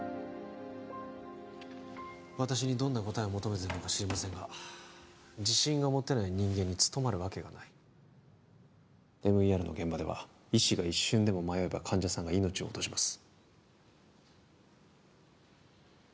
私にどんな答えを求めてるのか知りませんが自信が持てない人間に務まるわけがないＭＥＲの現場では医師が一瞬でも迷えば患者さんが命を落とします